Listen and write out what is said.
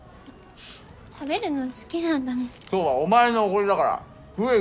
食べるの好きなんだもん今日はお前のおごりだから食え